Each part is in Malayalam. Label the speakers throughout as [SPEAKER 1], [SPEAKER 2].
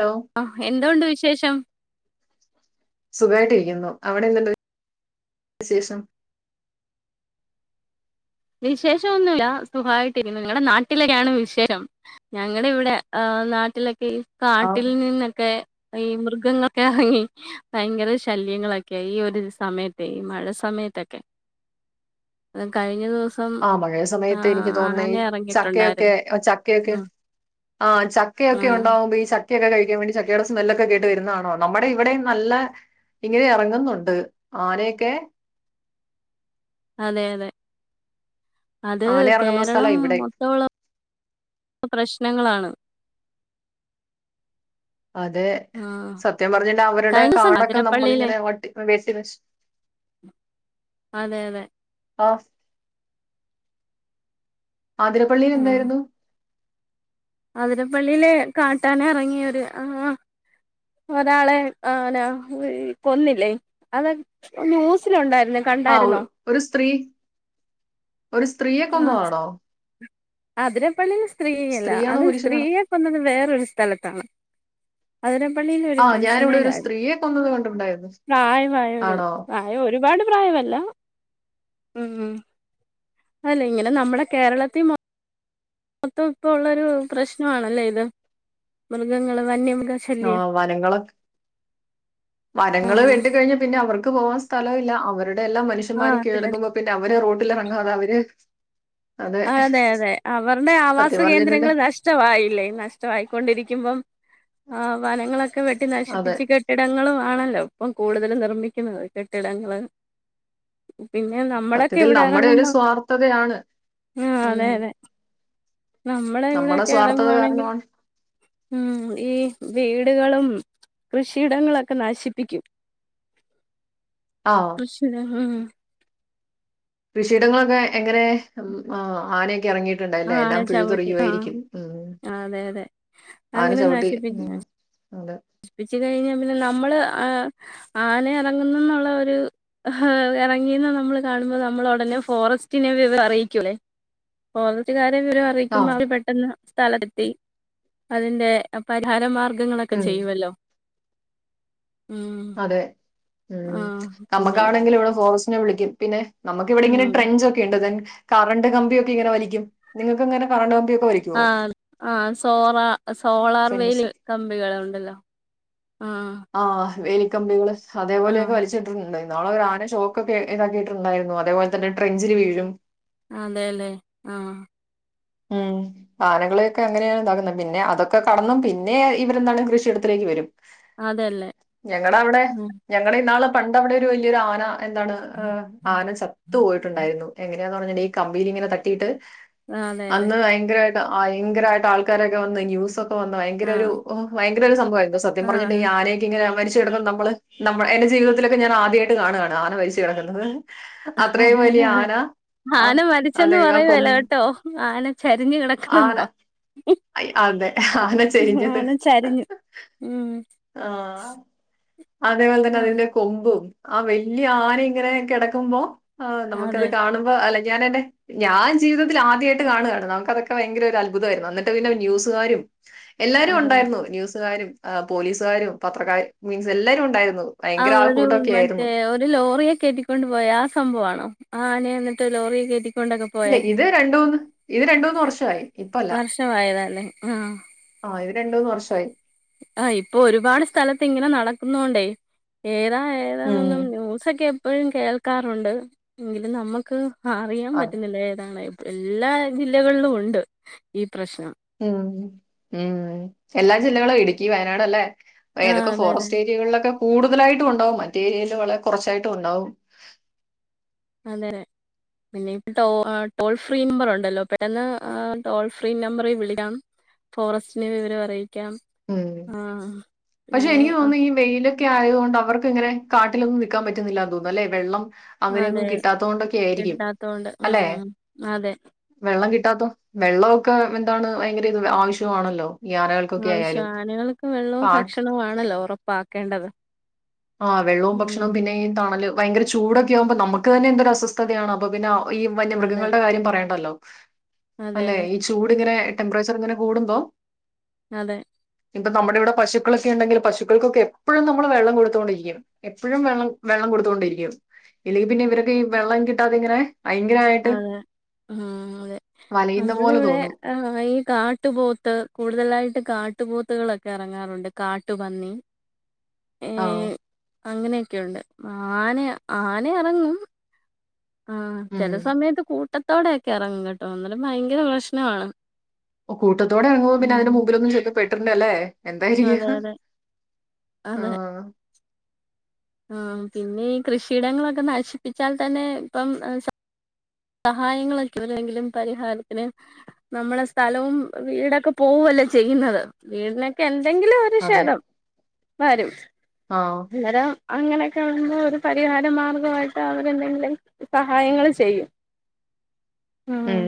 [SPEAKER 1] ഹലോ
[SPEAKER 2] ആ എന്തുണ്ട് വിശേഷം
[SPEAKER 1] സുഖാട്ടിരിക്കുന്നു അവിടെ എന്തുണ്ട് വിശേഷം
[SPEAKER 2] വിശേഷന്നുല്ല സുഖായിട്ട് ഇ നിങ്ങളുടെ നാട്ടിലൊക്കെയാണ് വിശേഷം ഞങ്ങളുടെ ഇവിടെ് നാട്ടില് ഈ കാട്ടിൽ നിന്നൊക്കെ ഈ മൃഗങ്ങളൊക്കെ ഇറങ്ങി ഭയങ്കര ശല്യങ്ങളൊക്കെ ഈ ഒരു സമയത്തേ ഈ മഴ സമയത്തൊക്കെ ആ കഴിഞ്ഞ ദിവസം-
[SPEAKER 1] ആ മഴയ സമയത്ത് എനിക്ക്
[SPEAKER 2] ആഹ്
[SPEAKER 1] തോന്നുന്നത്
[SPEAKER 2] ആന
[SPEAKER 1] ഈ ചക്കയൊക്കെ
[SPEAKER 2] ഇറങ്ങിയിട്ടുണ്ടായിരുന്നു
[SPEAKER 1] ചക്കയൊക്കെ
[SPEAKER 2] ഉം
[SPEAKER 1] ആ ചക്കയൊക്കെ
[SPEAKER 2] ആഹ്
[SPEAKER 1] ഒണ്ടാവുമ്പോ ഈ ചക്ക ക്കൊക്കെ കഴിക്കാൻ വേണ്ടി ചക്കയുടെ സ്മെല്ലൊക്കെ കേട്ട് വെരുന്നാണോ നമ്മുടെ ഇവിടെ നല്ല ഇങ്ങനെ എറങ്ങുന്നുണ്ട് ആനയൊക്കെ
[SPEAKER 2] അതെ അതെ അത്
[SPEAKER 1] ആന ഇറങ്ങുന്ന സ്ഥലാ
[SPEAKER 2] കേരളം
[SPEAKER 1] ഇവിടെ.
[SPEAKER 2] മൊത്തവുള്ള പ്രശ്നങ്ങളാണ്
[SPEAKER 1] അതെ
[SPEAKER 2] ആഹ്
[SPEAKER 1] സത്യം പറഞ്ഞ അവരുടെ
[SPEAKER 2] കഴിഞ്ഞ ദിവസം
[SPEAKER 1] കാടൊക്കെ
[SPEAKER 2] അതിരപ്പള്ളിയിലെ
[SPEAKER 1] നമ്മളിങ്ങനെ വെട്ടി വെട്ടി നശി-
[SPEAKER 2] അതെ അതെ
[SPEAKER 1] ആഹ് ആതിരപ്പള്ളിയിൽ എന്തായിരുന്നു
[SPEAKER 2] അതിരപ്പള്ളിയില് കാട്ടാന ഇറങ്ങിയൊരു ഒരാളെ ആന കൊന്നില്ലേ അത് ന്യൂസിലുണ്ടായിരുന്നു
[SPEAKER 1] ആ
[SPEAKER 2] കണ്ടായിരുന്നോ
[SPEAKER 1] ഒരു സ്ത്രീ ഒരു സ്ത്രീയെ കൊന്നതാണോ
[SPEAKER 2] അതിരപ്പള്ളിയിലെ സ് സ്ത്രീയല്ല
[SPEAKER 1] സ്ത്രീയാണോ
[SPEAKER 2] അത്
[SPEAKER 1] പുരുഷനാണോ?
[SPEAKER 2] സ്ത്രീയെ കൊന്നത് വേരെ ഒരു സ്ഥലത്താണ് അതിര- അതിരപ്പള്ളിയിൽ ഒരു
[SPEAKER 1] ആ ഞാനിവിടെ ഒരു
[SPEAKER 2] പുരുഷനേനാണ്
[SPEAKER 1] സ്ത്രീയെ കൊന്നത് കണ്ടിട്ടുണ്ടായിരുന്നു.
[SPEAKER 2] പ്രായമായ ഒരു
[SPEAKER 1] ആണോ?
[SPEAKER 2] പ്രായം ഒരുപാട് പ്രായമില്ല ഉം ഉം അല്ലെ ഇങ്ങനെ നമ്മുടെ കേരളത്തി മൊ മൊത്തം ഇപ്പൊ ഉള്ളൊരു പ്രശ്നമാണല്ലേ ഇത് മൃഗങ്ങള് വന്യമൃഗ-
[SPEAKER 1] ആ
[SPEAKER 2] ശല്യം
[SPEAKER 1] വനങ്ങളൊക്കെ മരങ്ങൾ
[SPEAKER 2] ആഹ്
[SPEAKER 1] വെട്ടിക്കഴിഞ്ഞ പിന്നെ അവർക്ക്- പോവാൻ സ്ഥലല്ല അവർ അവിടെയെല്ലാം
[SPEAKER 2] ആഹ്
[SPEAKER 1] മനുഷ്യന്മാരെ
[SPEAKER 2] അതെ അതെ
[SPEAKER 1] കീഴടക്കുമ്പോൾ പിന്നെ അവര് റോഡില ഇറങ്ങാതെ അവര്
[SPEAKER 2] അതെ അതെ അവരുടെ ആവാസ
[SPEAKER 1] സത്യം പറഞ്ഞിട്ടുണ്ടെ
[SPEAKER 2] കേന്ദ്രങ്ങൾ നഷ്ടമായില്ലേ നഷ്ട്ടായിക്കൊണ്ടിരിക്കുമ്പം ആ വനങ്ങളൊക്കെ വെട്ടി
[SPEAKER 1] അതെ
[SPEAKER 2] നശിപ്പിച്ച് കെട്ടിടങ്ങളും ആണല്ലോ ഇപ്പം കൂടുതൽ നിർമ്മിക്കുന്നത് കെട്ടിടങ്ങൾ
[SPEAKER 1] സത്യത്തിൽ നമ്മടെ ഒരു സ്വാർത്ഥതയാണ്.
[SPEAKER 2] ആഹ് അതെ
[SPEAKER 1] ഉം
[SPEAKER 2] അതെ നമ്മടെ
[SPEAKER 1] നമ്മുടെ
[SPEAKER 2] ഇവിടൊക്കെ
[SPEAKER 1] സ്വാർത്ഥത
[SPEAKER 2] ഇറങ്ങുവാണെങ്കി
[SPEAKER 1] കാരണമാണ്
[SPEAKER 2] ഉം ഈ വീടുകളും കൃഷിയിടങ്ങളൊക്കെ നശിപ്പിക്കും.
[SPEAKER 1] ആഹ്
[SPEAKER 2] കൃഷിയിടങ്ങൾ ഉം
[SPEAKER 1] കൃഷിയിടങ്ങളൊക്കെ എങ്ങനെ ഉം മ് ആന
[SPEAKER 2] ആ ആനചവിട്ടി ആ
[SPEAKER 1] ഉം
[SPEAKER 2] അതെ അതെ
[SPEAKER 1] ആന
[SPEAKER 2] അങ്ങനെ
[SPEAKER 1] ചവിട്ടി
[SPEAKER 2] നശിപ്പിക്കും
[SPEAKER 1] ഉം
[SPEAKER 2] നശ
[SPEAKER 1] അതെ
[SPEAKER 2] നശിപ്പിച്ച് കഴിഞ്ഞാ പിന്നെ നമ്മള് ആ ആന എറങ്ങുന്നുന്നുള്ള ഒരു എഹ് എറങ്ങി ന്നു നമ്മള് കാണുമ്പോ നമ്മള് ഒടനെ ഫോറസ്റ്റിന് വിവ അറിയിക്കുല്ലേ ഫോറസ്റ്റ്ക്കാ വിവരം അറിയിക്കുമ്പോൾ
[SPEAKER 1] ആഹ്
[SPEAKER 2] അവരുപെട്ടെന്ന് സ്ഥലത്തെത്തി അതിന്റെ പരിഹാരമാർഗം മാർഗ്ഗങ്ങളൊക്കെ
[SPEAKER 1] ഉം
[SPEAKER 2] ചെയ്യുമല്ലോ
[SPEAKER 1] അതെ ഉം
[SPEAKER 2] ആഹ് പിന്നെ
[SPEAKER 1] നമ്മൾക്കാണെങ്കിലും ഇവിടെ ഫോറസ്റ്റ് നെ വിളിക്കും പിന്നെ നമുക്കിവിടെ ഇങ്ങനെ
[SPEAKER 2] ഉം
[SPEAKER 1] ട്രഞ്ച് ഒക്കെ ഉണ്ട് ദെൻ കറണ്ട് കമ്പിയൊക്കെ ഇങ്ങനെ വലിക്കും നിങ്ങൾക്കങ്ങനെ
[SPEAKER 2] ആ ആ സോറാ സോളാർ വേലി
[SPEAKER 1] ഫെൻസ്
[SPEAKER 2] കമ്പികൾ ഉണ്ടല്ലോ
[SPEAKER 1] ആ വേലി കമ്പികൾ അതേ പോലെയൊക്കെ
[SPEAKER 2] ആഹ്
[SPEAKER 1] വലിച്ച് കെട്ടുന്നുണ്ടായിരുന്നു ഇന്നാളൊരു ആന ഷോക്കൊക്കെ ഇതാക്കിട്ടുണ്ടായിരുന്നു അതുപോലെ തന്നെ ട്രഞ്ചിൽ വീഴും
[SPEAKER 2] അതെല്ലെ ആഹ
[SPEAKER 1] ഉം ആനകളെയൊക്കെ അങ്ങനെയാണ് ഇതാക്കുന്നത് പിന്നെ അതൊക്കെ കടന്നും പിന്നെ ഇവരെന്താണ് കൃഷിയിടത്തിലേക്ക് വരും
[SPEAKER 2] അതല്ലേ
[SPEAKER 1] ഞങ്ങളുടെ അവിടെ
[SPEAKER 2] ഉം
[SPEAKER 1] ഞങ്ങൾടെ ഇന്നാള് പണ്ട് അവിടെ ഒരു വലിയൊരു ആന എന്താണ് ആന ചത്തുപോയിട്ടുണ്ടായിരുന്നു എങ്ങന ന്ന് പറഞ്ഞോണ്ട് ഈ കമ്പിലിങ്ങനെ തട്ടിയിട്ട്
[SPEAKER 2] ആഹ് അതെ അതെ
[SPEAKER 1] അന്ന് ഭയങ്കരമായിട്ട് ഭയങ്കരമായിട്ട് ആൾക്കാരൊക്കെ വന്ന് ന്യൂസ്ഒക്കെ വന്നു ഭയങ്കര ഒരു
[SPEAKER 2] ആഹ്
[SPEAKER 1] ഭയങ്കര ഒരുസംഭവമായിരുന്നു സത്യം പറഞ്ഞിട്ട്
[SPEAKER 2] ആഹ്
[SPEAKER 1] ഈ ആനയൊക്ക ഇങ്ങനെ മരിച്ചു നമ്മ നമ്മൾ എന്റെ ജീവിതത്തിലൊക്കെ ഞാൻ ആദ്യമായിട്ട് കാണുവാണ് ആന മരിച്ചു കിടക്കുന്നത് അത്രയും
[SPEAKER 2] അതെതെ
[SPEAKER 1] വലിയ
[SPEAKER 2] അതെ
[SPEAKER 1] ആന
[SPEAKER 2] ആന
[SPEAKER 1] ആഹ്
[SPEAKER 2] മരിച്ചെന്ന്
[SPEAKER 1] അതെ ആ
[SPEAKER 2] പറയൂകേല
[SPEAKER 1] കൊമ്പ്
[SPEAKER 2] കേട്ടോ ആന ചരിഞ്ഞ്
[SPEAKER 1] ആന
[SPEAKER 2] കിടക്കണെന്നോ
[SPEAKER 1] ഐ, അതെ ആന ചെരിഞ്ഞത്.
[SPEAKER 2] ആന ചരിഞ്ഞു ഉം
[SPEAKER 1] ആ അതേപോലെ തന്നെ
[SPEAKER 2] ആഹ്
[SPEAKER 1] അതിന്റെ കൊമ്പ് ആ വല്യ ആന ഇങ്ങനെ കിടക്കുമ്പോ ആ നമുക്കത്
[SPEAKER 2] അതെ
[SPEAKER 1] കാണുമ്പോ അല്ലെ ഞാൻ എന്റെ ഞാൻ ജീവിതത്തി ആദ്യമായിട്ട് കാണുകയാണ് നമുക്കതൊക്കെ ഭയങ്കര ഒരു അത്ഭുതമായിരുന്നു എന്നിട്ട് പിന്നെ ന്യൂസുകാരും എല്ലാരും
[SPEAKER 2] അതെ
[SPEAKER 1] ഉണ്ടായിരുന്നു ന്യൂസുകാരും ആ പോലീസുകാരും പത്രക്കാരും മീൻസ് എല്ലാരും ഉണ്ടായിരുന്നു
[SPEAKER 2] ആ
[SPEAKER 1] ഭയങ്കര
[SPEAKER 2] ഒരു
[SPEAKER 1] ആൾക്കൂട്ടമൊക്കെ ആയിരുന്നു
[SPEAKER 2] മറ്റേ ഒരു ലോറിയേ കേറ്റിക്കൊണ്ട് പോയ ആ സംഭവാണോ ആനെ എന്നിട്ട് ലോറിയേകേറ്റി
[SPEAKER 1] ഇല്ല ഇത് രണ്ട് മൂന്ന് ഇത് രണ്ട് മൂന്ന് വർഷായി ഇപ്പല്ല
[SPEAKER 2] വർഷമായതല്ലേ ആ
[SPEAKER 1] ആത് രണ്ട് മൂന്ന് വർഷവായി
[SPEAKER 2] ആ ഇപ്പൊ ഒരുപാട് സ്ഥലത്ത് ഇങ്ങനെ നടക്കുന്നോണ്ടേ ഏ താ
[SPEAKER 1] ഉം
[SPEAKER 2] ഏതാനൊന്നും ന്യൂസൊക്കെ എപ്പോഴും കേൾ ക്കാറുണ്ട് എങ്കിലും നമക്ക് ആ അറിയാൻ
[SPEAKER 1] അതെ
[SPEAKER 2] പറ്റുന്നില്ല ഏതാണ എല്ലാ ജില്ലകളിലും ഉണ്ട് ഈ പ്രശ്നം
[SPEAKER 1] ഉം ഉം എല്ലാ ജില്ലകൾ ഇടുക്കി വയനാട്ല്ലേ അപ്പ
[SPEAKER 2] ആ
[SPEAKER 1] ഏതൊക്കെ
[SPEAKER 2] അതെ അതെ
[SPEAKER 1] ഫോറസ്റ്റ് ഏരിയകളിലൊക്കെ കൂടുതലായിട്ടും ഉണ്ടാവും മറ്റേരിയല് വളരെ കുറച്ചായിട്ടും ഉണ്ടാവും
[SPEAKER 2] അതെ പിന്നെ ഇപ്പ ടോൾ ഫ്രീ നമ്പർ ഉണ്ടല്ലോ പെട്ടെന്ന് ടോൾ ഫ്രീ നമ്പറി വിളിക്കാണ് ഫോറസ്റ്റിന് വിവരം അറിയി
[SPEAKER 1] ഉം പക്ഷെ
[SPEAKER 2] പിന്നെ
[SPEAKER 1] എനിക്ക്
[SPEAKER 2] ആ
[SPEAKER 1] തോന്നുന്നു ഈ മെയ്‌ല് ക്കെ ആയതുകൊണ്ട് അവർക്ക് ഇങ്ങനെ കാട്ടിലൊന്നും നിൽക്കാൻ പറ്റുന്നില്ലാന്ന്തോന്നുന്നു അല്ലെ വെള്ളം
[SPEAKER 2] അതെ
[SPEAKER 1] അങ്ങനെയൊന്നും കിട്ടാത്തതുകൊണ്ടൊക്കെ ആയിരിക്കും
[SPEAKER 2] കിട്ടാത്തൊണ്ട് ഉം അതെ
[SPEAKER 1] ട്ടത്തോ വെള്ളമൊക്കെ എന്താണ് ഭയങ്കര ഇത് ആവശ്യമാണല്ലോ ആനകൾക്കൊക്കെ ആയാലും
[SPEAKER 2] ആവശ്യം ആനകൾക്ക് വെള്ളവും
[SPEAKER 1] പാട്ട്
[SPEAKER 2] ഭക്ഷണവും ആണല്ലോ ഉറപ്പ് പാക്കേണ്ടത്
[SPEAKER 1] ആ വെള്ളവും ഭക്ഷണവും പിന്നെയീ തണല് ഭയങ്കര ചൂടൊക്കെ ആകുമ്പോ നമുക്ക് തന്നെ എന്തൊരസ്വസ്ഥതയാണ് അപ്പ പിന്നെ ഈ
[SPEAKER 2] അതെ
[SPEAKER 1] വന്യമൃഗങ്ങളുടെ കാര്യം പറയേണ്ടല്ലോ
[SPEAKER 2] അതെ
[SPEAKER 1] അല്ലെ
[SPEAKER 2] അതെ
[SPEAKER 1] ഈ ചൂട്ങ്ങനെ ടെംമ്പറേച്ചർ ഇങ്ങനെ കൂടുമ്പോ
[SPEAKER 2] അതെ
[SPEAKER 1] ഇപ്പ നമ്മുടെവിടെ പശുക്കളൊക്കെ ഉണ്ടെങ്കിൽ പശുക്കൾകൊക്കെ എപ്പളും നമ്മള് വെള്ളം കൊടു ടുത്തോണ്ടിരിക്കും എപ്പോഴും വെള്ളം വെള്ളം കൊടുത്തോണ്ടിരിക്കും ഇല്ലെങ്കിൽ പിന്നെ ഇവരൊക്കെ ഈ വെള്ളം കിട്ടാതെ ഇങ്ങനെ ഭയങ്കരമായിട്ട്
[SPEAKER 2] അതെ ആ അതെ
[SPEAKER 1] വലയുന്ന
[SPEAKER 2] നമ്മള
[SPEAKER 1] പോലെ
[SPEAKER 2] ഇവിടെ
[SPEAKER 1] തോന്നും
[SPEAKER 2] ഈ കാട്ടുപോത്ത് കൂടുതലായിട്ട് കാട്ടുപോത്തുകളൊക്കെ ഇറങ്ങാറുണ്ട് കാട്ടുപന്നി
[SPEAKER 1] ആ
[SPEAKER 2] അങ്ങനെഒക്കെയൊണ്ട് ആന ആനയെറങ്ങും ആ
[SPEAKER 1] ഉം
[SPEAKER 2] ചെലസമയത്ത് പൂ ത്തോടെയൊക്ക എറങ്ങും കേട്ടോ അന്നരം ഭയങ്കര പ്രശ്നവാണ്
[SPEAKER 1] ഒ കൂട്ടത്തോടെ എറങ്ങുമ്പോ പിന്നതിന്റെ മുമ്പിലൊന്നും ചെന്ന് [unintelligible] [unintelligible]
[SPEAKER 2] അതെ
[SPEAKER 1] എന്താചെയ്ഹ
[SPEAKER 2] അതെ
[SPEAKER 1] ആ
[SPEAKER 2] അതെ ആ പിന്നെ ഈ കൃഷിയിടങ്ങളൊക്കെ നശിപ്പിച്ചാൽ തന്നെ ഇപ്പം സഹായങ്ങളൊക്കെ എന്തെങ്കിലും പരിഹാരത്തിന് നമ്മടെ സ്ഥലവും വീടൊക്കെ പോവല്ലെ ചെയ്യുന്നത് വീടിനൊക്കെ എ അല്ലെങ്കിലും ഒരു
[SPEAKER 1] അതെ.
[SPEAKER 2] [unintelligible] വരും
[SPEAKER 1] ആഹ്.
[SPEAKER 2] [unintelligible] അങ്ങനെ ഇതാകുമ്പോ ഒരു പരിഹാരമാർഗമായിട്ട് [unintelligible] സഹായങ്ങള് ചെയ്യും ഉം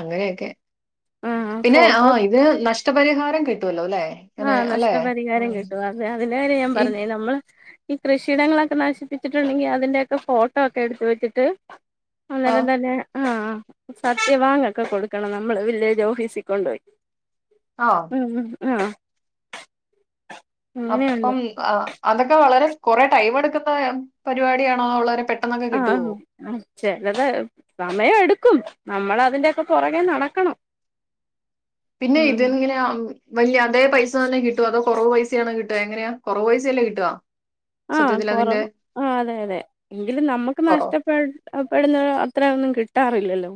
[SPEAKER 1] അങ്ങനെഒക്കെ
[SPEAKER 2] ആ
[SPEAKER 1] പിന്നെ
[SPEAKER 2] ഫോട്ടോസ്
[SPEAKER 1] ആഇത് [unintelligible] നഷ്ട്ടപരിഹാരം കിട്ടുവല്ലോല്ലേ
[SPEAKER 2] ആ നഷ്ട്ടപരിഹാരം കിട്ടും അതെ അതിന്റെകാര്യവാ ഞാൻ
[SPEAKER 1] ഈ
[SPEAKER 2] പറഞ്ഞെ നമ്മള് ഈ കൃഷിയിടങ്ങളൊക്കെ നശിപ്പിച്ചിട്ടുണ്ടെങ്കി അതിന്റെയൊക്കെ ഫോട്ടോ ഒക്കെ എടുത്ത് വെച്ചിട്ട്
[SPEAKER 1] ആഹ്
[SPEAKER 2] അതൊക്കെതന്നെ ആ സത്യവാങ്ഒക്കെ കൊടുക്കണം നമ്മള് വില്ലേജോഫീസി കൊണ്ടോയി
[SPEAKER 1] ആഹ്.
[SPEAKER 2] ഉം ഉം ആ അങ്ങനെയുണ്ട്
[SPEAKER 1] അപ്പം ആ അതൊക്കെ വളരെ കൊറെ ടൈം എടുക്കുന്നെ പരിവാടിയാണോ വളരെ [unintelligible]
[SPEAKER 2] ആ ആ ചെലത് സമയെടുക്കും നമ്മളതിന്റെയൊക്കെ പൊറകെ നടക്കണം
[SPEAKER 1] പിന്നെ
[SPEAKER 2] ഉം
[SPEAKER 1] ഇതെങ്ങനെയാകും വെല്യതെ പൈസ തന്നെ കിട്ടുവൊ അതോ കൊറവ് പൈസയാണോ കിട്ടുക എങ്ങനെയാ കൊറവ് പൈസയല്ലെ കിട്ടുക
[SPEAKER 2] ആ
[SPEAKER 1] സത്യത്തിൽ അതിന്റെ
[SPEAKER 2] കൊറവ് ആ അതെ അതെ എങ്കിലും നമ്മക്ക്
[SPEAKER 1] കൊറവ്.
[SPEAKER 2] [unintelligible] അത്രയൊന്നും കിട്ടാറില്ലല്ലോ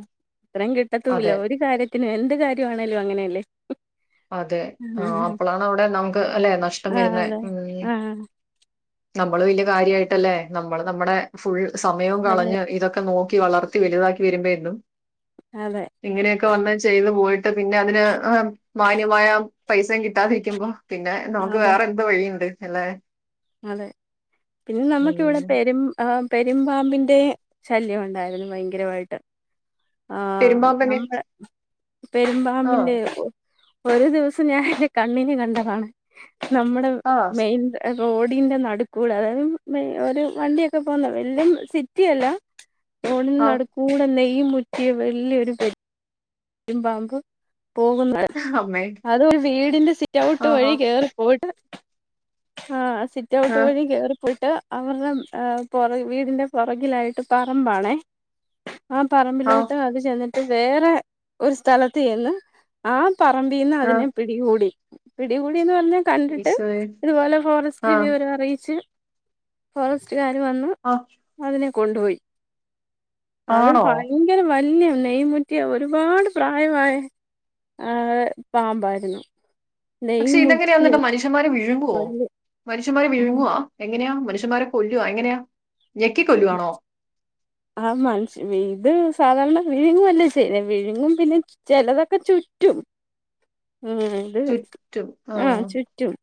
[SPEAKER 2] ഇത്രേം
[SPEAKER 1] അതെ
[SPEAKER 2] കിട്ടത്തൂല്ല ഒരു കാര്യത്തി [unintelligible] പിന്നെ എന്ത് കാര്യവാണേലും അങ്ങനെയല്ലേ
[SPEAKER 1] അതെ ആ അപ്പളാണ് അവിടെ നമുക്ക് അല്ലെ നഷ്ടം
[SPEAKER 2] ആഹ്
[SPEAKER 1] വരുന്നെ
[SPEAKER 2] അതെ
[SPEAKER 1] ഉം
[SPEAKER 2] ആഹ്
[SPEAKER 1] നമ്മള് വല്യകാര്യവായിട്ടല്ലെ നമ്മള് നമ്മടെ ഫുൾ സമയവും
[SPEAKER 2] അതെ
[SPEAKER 1] കളഞ്ഞ് ഇതൊക്കെ നോക്കി വളർത്തി വലുതാക്കി വരുമ്പോ എന്നും
[SPEAKER 2] അതെ
[SPEAKER 1] ഇങ്ങനെയൊക്കെ വന്ന് ചെയ്തു പോയി പിന്നെ അതിന് ഹ് മാന്യമായ പൈസയും കിട്ടാതിരിക്കുമ്പോ പിന്നെ നമുക്ക്
[SPEAKER 2] അതെ
[SPEAKER 1] വേറെ എന്ത് വഴിയിണ്ട് എല്ലേ
[SPEAKER 2] അതെ പിന്നെ നമ്മുക്ക് ഇവിടെ പെരും ആഹ് പെരുമ്പാമ്പിന്റെ ശല്യം ഉണ്ടാരുന്നു ഭയങ്കരമായിട്ട് ആ
[SPEAKER 1] പെരുമ്പാമ്പനെ
[SPEAKER 2] നമ്മ
[SPEAKER 1] ആ
[SPEAKER 2] പെരുമ്പാമ്പിന്റെയോ ഒരു ദിവസം ഞാൻ എൻ കണ്ണിന് കണ്ടതാണ് നമ്മുടെ
[SPEAKER 1] ആ
[SPEAKER 2] മെയിൻ എ റോഡിന്റെ നടുക്കുടെ അതായത് ഒരു വണ്ടിയൊക്കെ പോവന്ന വല്ല സിറ്റി യല്ല റോഡിൻ
[SPEAKER 1] ആ
[SPEAKER 2] നടക്കൂടെ ന്നയ് ഈ മുറ്റി വല്യരു ത് ഇമ്പാമ്പ് പോകുന്നത്
[SPEAKER 1] അമ്മേ
[SPEAKER 2] അത് ഒരു വീടിന്റെ സിറ്റ് ഔട്ട്
[SPEAKER 1] ആഹാ
[SPEAKER 2] വഴി കേറിപ്പോട്ട് ആ സിറ്റ് ഔട്ട്
[SPEAKER 1] ആ
[SPEAKER 2] വഴി കേറി പോയിട്ട് അവർടെ ഹേ പുറ വീടിന്റെ പുറകിലായിട്ട് പറമ്പാണേ ആ
[SPEAKER 1] ആ
[SPEAKER 2] പറമ്പിലോട്ട് അത് ചെന്നി ട്ട് വേറെ ഒരു സ്ഥലത്ത് ചെന്ന് ആ പറബീന്ന്
[SPEAKER 1] ആ
[SPEAKER 2] അതിനെ പിടികൂടി പിടികൂടിന്ന് പറ നെ കണ്ടിട്ട്
[SPEAKER 1] ഈശോയെ
[SPEAKER 2] ഇതുപോലെ
[SPEAKER 1] ആ
[SPEAKER 2] ഫോറസ്റ്റിൽ വിവരം അറിയിച്ച് ഫോറസ്റ്റ് റ്റ്കാർ വന്ന്
[SPEAKER 1] ആ
[SPEAKER 2] അതിനെ കൊണ്ടുപോയി അത്
[SPEAKER 1] ആണോ
[SPEAKER 2] ഭയങ്കരം വല്യ നെയ്യ് മുറ്റിയ ഒ രുപാട് പ്രായവായ ആ പാമ്പാരുന്നു
[SPEAKER 1] പക്ഷെ ഇതങ്ങനെ വന്നിട്ട് മനുഷ്യമാരെ വിഴു
[SPEAKER 2] [unintelligible]
[SPEAKER 1] നുഷ്യന്മാരെ വിഴുങ്ങുവോ എങ്ങനെയാ മനുഷ്യമാരെ കൊല്ലുവോ എങ്ങനെയാ ഞെക്കി കൊല്ലുവാണോ
[SPEAKER 2] ആ മനുഷ്യ ഇത് സാധാരണ വിഴുങ്ങുവല്ലേ ചെയ്യല് വിഴുങ്ങും പിന്നെ ചിലതൊക്കെ ചുറ്റും ഉം ഇത് ആ ചുറ്റും.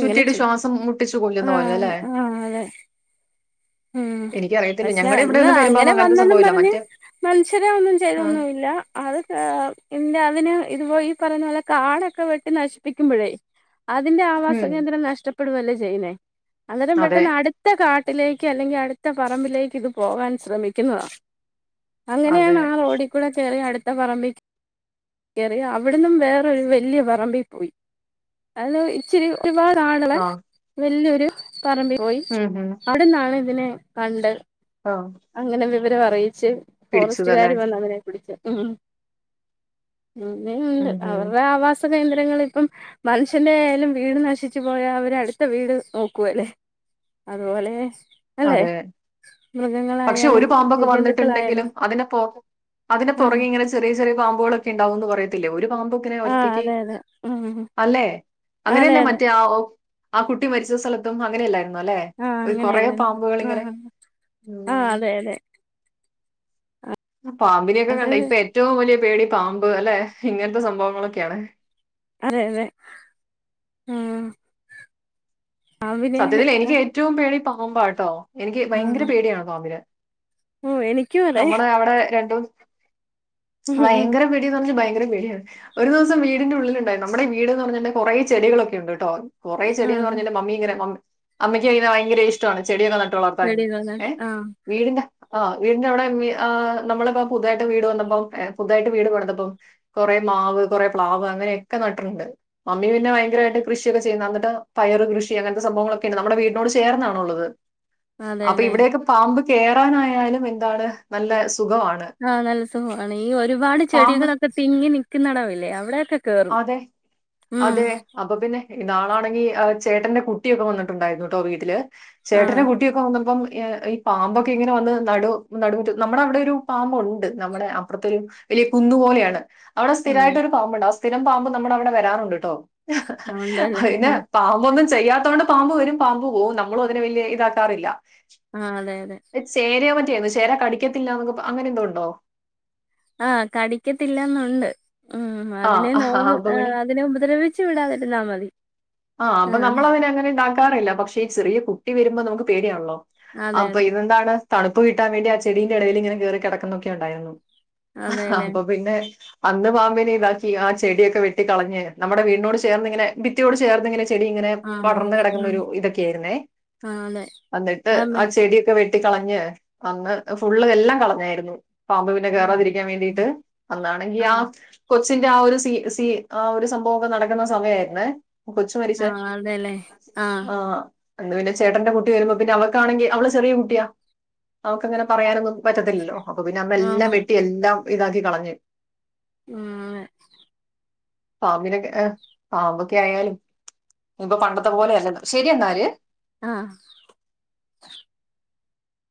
[SPEAKER 2] ഇങ്ങനെ ചു
[SPEAKER 1] ശ്വാസം മുട്ടിച്ചു കൊല്ലുന്ന പോലെ അല്ലേ
[SPEAKER 2] മ് പക്ഷെ അന്ന്
[SPEAKER 1] ഒന്നും
[SPEAKER 2] അങ്ങനെ
[SPEAKER 1] പെരുമ്പാമ്പ് അങ്ങനത്തെ
[SPEAKER 2] വന്നെന്നും
[SPEAKER 1] സംഭവമില്ല
[SPEAKER 2] പറഞ്ഞ്
[SPEAKER 1] മറ്റേ
[SPEAKER 2] മനുഷ്യരെ ഒന്നും
[SPEAKER 1] ആ,
[SPEAKER 2] ചെയ്തൊന്നുല്ല അത് [unintelligible] പിന്നെ അതിന് ഇത്പോ ഈ പറയ്ന്ന പോലെ കാടൊക്കെ വെട്ടി നശിപ്പിക്കുമ്പഴേ അതിന്റെ ആവാസ
[SPEAKER 1] ഉം
[SPEAKER 2] കേന്ദ്രം നഷ്ട ഇപ്പഴുതല്ലേ ചെയ്യുന്നേ അന്നേരം
[SPEAKER 1] അതെ
[SPEAKER 2] പെട്ടെന്ന് അടുത്ത കാ ട്ടില് ക്ക് അല്ലെങ്കി അടുത്ത പറമ്പിലേക്ക് ഇതു പോകാൻ ശ്രമിക്കുന്നതാ
[SPEAKER 1] അതെ
[SPEAKER 2] അങ്ങനെയാണ് ആ റോഡി കൂടെ ചെറിയ അട് ത്ത പറമ്പീ കേറി അവിടന്നും വേറൊരു വല്യ പറമ്പീ പോയി അത് ഇച്ചിരി [unintelligible]
[SPEAKER 1] ആ
[SPEAKER 2] വല്യ പറമ്പീ പോയി
[SPEAKER 1] ഉം ഉം
[SPEAKER 2] അ [unintelligible] ഇതിനെ കണ്ടത്
[SPEAKER 1] ആ
[SPEAKER 2] [unintelligible] ച്ച്
[SPEAKER 1] പിടിച്ചതല്ലേ
[SPEAKER 2] ഫോറസ്റ്റ്കാര് വന്ന് അതിനെ പിടിച്ച് ഉം അന്നെ ഉണ്ട്
[SPEAKER 1] ഉം ഉം
[SPEAKER 2] അവരുടെ ആവാസ- കേന്ദ്രങ്ങൾ ഇപ്പം മനുഷ്യന്റെയാലും വീട് നശിച്ചു പോയാ അവര് അടുത്ത വീട് നോക്കുവല്ലേ അതുപോലെ അല്ലെ
[SPEAKER 1] അതെ പക്ഷെ
[SPEAKER 2] മൃഗങ്ങളായാലും
[SPEAKER 1] ഒരു പാമ്പൊക്കെ
[SPEAKER 2] ജന്തുക്കളായാലും
[SPEAKER 1] വന്നിട്ടുണ്ടെങ്കിലും അതിനെ അതിനെ
[SPEAKER 2] ആഹ്
[SPEAKER 1] പുറകെ ഇങ്ങനെ ചെറിയ ചെറിയ പാമ്പുകളൊക്ക ഉണ്ടാവന്ന് പറയത്തില്ല ഒരു പാമ്പ്
[SPEAKER 2] ആഹ്
[SPEAKER 1] ഒറ്റക്ക്
[SPEAKER 2] അതെ അതെ ഉം
[SPEAKER 1] [unintelligible] അല്ലെ
[SPEAKER 2] അതെ
[SPEAKER 1] അങ്ങനെയല്ലേ
[SPEAKER 2] അതെ
[SPEAKER 1] മറ്റേ ആ കുട്ടി മരിച്ച സ്ഥലത്തും അങ്ങനെയ അല്ലായിരുന്നു അല്ലെ കുറേ [unintelligible]
[SPEAKER 2] ആ ആ അതെ അതെ
[SPEAKER 1] ആ പാമ്പിനിയൊക്കെ കണ്ട ഇപ്പോ ഏറ്റവും വലിയ പേടി പാമ്പ് അല്ലെ ഇങ്ങനത്തെ സംഭവങ്ങളൊക്കെയാണ്
[SPEAKER 2] അതേ അതേ ആ
[SPEAKER 1] സത്യത്തിൽ എനിക്ക് ഏറ്റവും പേടി പാമ്പാട്ടോ എനിക്ക് ഭയങ്കര
[SPEAKER 2] ആഹ്
[SPEAKER 1] പേടിയാണ് പാമ്പിനെ
[SPEAKER 2] ഓഹ് എനിക്കും അതെ
[SPEAKER 1] നമ്മുടെ അവിടെ രണ്ടും
[SPEAKER 2] ഉം ഉം
[SPEAKER 1] ഭയങ്കര പേടി പറഞ്ഞ ഭയങ്കര [unintelligible] ഒരു ദിവസം വീടിന്റെ ഉള്ള ഉണ്ടായി നമ്മുടെ വീട്ന്ന് പറഞ്ഞെ കുറെ ചെടികളൊക്കെ ഉണ്ട് കേട്ടോ കുറെ ചെടി എന്ന്
[SPEAKER 2] ആഹ്
[SPEAKER 1] പറഞ്ഞല് മമ്മി ഇങ്ങനെമമ്മി അമ്മക്ക് അതിന് ഭയങ്ക ഇഷ്ടമാണ് ചെടിയൊക്കെ
[SPEAKER 2] ചെടി
[SPEAKER 1] [unintelligible] ഏ
[SPEAKER 2] നന്നായിട്ട് ആഹ്
[SPEAKER 1] വീടിന്താ ആഹ വീടിന്റെ അവിടെ നമ്മളിപ്പ പുതുതായിട്ട് വീട് വന്നപ്പോം പുതുതായിട്ട് വീട് വന്നപ്പം കുറെ മാവ് കുറേ പ്ലാവ് അങ്ങനെയൊക്കെ നട്ടിട്ടുണ്ട് മമ്മി പിന്നെ ഭയങ്കരമായിട്ട് കൃഷിയൊക്കെ ചെയ്യുന്നു എന്നിട്ട് പയറ് കൃഷി അങ്ങനത്തെ സംഭവങ്ങളൊക്കെ ഉണ്ട് നമ്മുടെ വീടിനോട് ചേർന്നാണുള്ളത് അപ്പൊ
[SPEAKER 2] അതെല്ലേ
[SPEAKER 1] ഇവിടെക്കെ പാമ്പ് കേറാനായാലും എ എന്താണ് നല്ല സുഖമാണ്.
[SPEAKER 2] ആഹ നല്ല സുഖമാണ് ഈ ഒരുപാട്
[SPEAKER 1] പാമ്പ്
[SPEAKER 2] ചെടികളൊക്കെ തിങ്ങിനി [unintelligible] നടവല്ലേ അവിടെ
[SPEAKER 1] അതെ അതെ അപ്പൊ പിന്നെ നാളാണെങ്കി ചേട്ടന്റെ കുട്ടി ഒക്കെ വന്നിട്ട് ട്ടുണ്ടായിരുന്നു കേട്ടോ വീട്ടി ല് ചേട്ടന്റെ
[SPEAKER 2] ആഹ്
[SPEAKER 1] കുട്ടിയൊക്കെ വന്നപ്പം ഈ ഈ പാമ്പൊക്കെ ഇങ്ങനെ വന്ന് നടു നടുമുറ്റ നമ്മുടെ അവിടെ ഒരു പാമ്പുണ്ട് നമ്മുടെ അപ്പുറത്തെ ഒരു വലിയ കുന്നു പോലെയാണ് അവിടെ
[SPEAKER 2] ആഹ്
[SPEAKER 1] സ്ഥിരമായിട്ട് ഒരു പാമ്പ്ണ്ടാവും സ്ഥിരം പാമ്പ് നമ്മള അവിടെ വരാറുണ്ട്ട്ടോ ഹഹ
[SPEAKER 2] ഉണ്ടല്ലേ
[SPEAKER 1] അയിന് പാമ്പ് ഒന്നും ചെയ്യാത്തൊണ്ട് പാമ്പ് വരും പാമ്പ് പോവും നമ്മളും അതിനെ വലിയ ഇതാക്കാറില്ല
[SPEAKER 2] ആഹ അതെ അതെ
[SPEAKER 1] [unintelligible] ചേരാ കടിക്കത്തില്ലനെന്നും അങ്ങനെ എന്തോണ്ടോ
[SPEAKER 2] ആഹ് കടിക്കത്തില്ലാന്നുണ്ട് ഉം അതിനെ
[SPEAKER 1] ആഹ്
[SPEAKER 2] നോവ്
[SPEAKER 1] അപ്പൊ
[SPEAKER 2] ആ
[SPEAKER 1] പിന്നെ
[SPEAKER 2] അതിനെ ഉപദ്രവിച്ചു വിടാതിരുന്നാ മതി ആ
[SPEAKER 1] കറില്ല പക്ഷേ ചെറിയ കുട്ടി വമ്പോ നമുക്ക് പേടിയാണള്ളോ
[SPEAKER 2] അതെ
[SPEAKER 1] അപ്പൊ
[SPEAKER 2] അതെ
[SPEAKER 1] ഇതെന്താണ് തണുപ്പ് കിട്ടാൻ വേണ്ടി ആ ചെടിന്റെ ഇടയിൽ ഇങ്ങനെ കയറി കിടക്കുന്നൊക്കെണ്ടായിരുന്നു
[SPEAKER 2] അതെല്ലേ
[SPEAKER 1] അപ്പൊ പിന്നെ അന്ന് പാമ്പിനെ ബാക്കി ആ ചെടിയൊക്കെ വെട്ടി കളഞ്ഞ് നമ്മടെ വീടിനോട് ചേർന്നിങ്ങനെ ഭിത്തിയോട് ചേർന്ന്‌നിങ്ങനെ ചെടി ഇങ്ങനെ
[SPEAKER 2] ആഹ്
[SPEAKER 1] പടർന്ന്‌ കിടക്കുന്ന
[SPEAKER 2] ഉം
[SPEAKER 1] ഒരു ഇതൊക്കെയായിരുന്നേ
[SPEAKER 2] ആഹ് അതെ
[SPEAKER 1] അന്നിട്ട്
[SPEAKER 2] ആഹ് മ
[SPEAKER 1] ആ ചെടിയൊക്കെ വെറ്റി ട്ടി കളഞ്ഞ് അന്ന് ഫുൾ എല്ലാം കളഞ്ഞായിരുന്നു പാമ്പ് പിന്നെ
[SPEAKER 2] ആഹ്
[SPEAKER 1] കെറാതിരിക്കാൻ വേണ്ടിട്ട് അന്നാണെങ്കി ആ
[SPEAKER 2] ആഹ്
[SPEAKER 1] കൊച്ചിന്റെ ആ ഒരു സി സി ആ ഒരു സംഭവം ഒക്കെ നടക്കുന്ന സമയായിരുന്നേ കൊച്ച് മരിച്ചേ
[SPEAKER 2] ആഹ് അതെല്ലേ
[SPEAKER 1] ആഹ് അന്ന് പിന്നെ ചേട്ടന്റെ കുട്ടി വരുമ്പോ പിന്നെ അവൾക്കാണെങ്കിൽ അവള് ചെറിയ കുട്ടിയാ അവക്ക്ങ്ങ് പറയാനൊന്നും പറ്റത്തില്ലല്ലോ അപ്പ പിന്നെ നമ്മ എല്ലാം
[SPEAKER 2] ആഹ്
[SPEAKER 1] വെട്ടി എല്ലാം ഇതാക്കി കളഞ്ഞ്
[SPEAKER 2] ആ ആതെ
[SPEAKER 1] പാമ്പിനൊക്കെ ഏ പാമ്പൊക്കെ ആയാല് ഇപ്പൊ പണ്ടത്തെ പോലെ അല്ലന്ന്ശരിയ അന്നാല്
[SPEAKER 2] ആഹ്